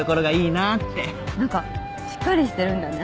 何かしっかりしてるんだね